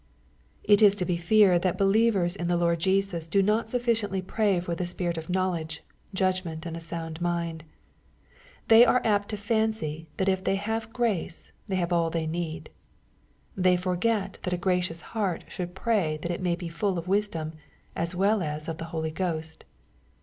It is to be feared, that believers in the Lord Jesus do not sufficiently pray for the spirit of knowledge, judg ment, and a sound mind. They are apt to fancy that if they have grace, they have all they need. They forget that a gracious heart should pray that it may be full of wisdom, as weU as of the Holy Ghost.